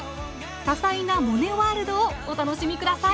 多彩なモネワールドをお楽しみください！